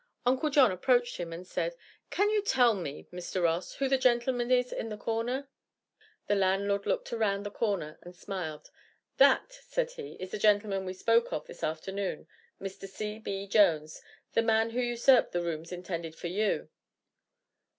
Uncle John approached him and said: "Can you tell me, Mr. Ross, who the gentleman is in the corner?" The landlord looked around at the corner and smiled. "That," said he, "is the gentleman we spoke of this afternoon Mr. C.B. Jones the man who usurped the rooms intended for you."